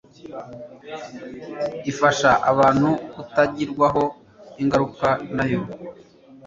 ifasha abantu kutagirwaho ingaruka nayo